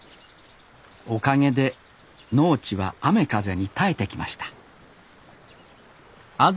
おかげで農地は雨風に耐えてきました